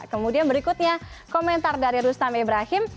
kemudian berikutnya komentar dari rustam ibrahim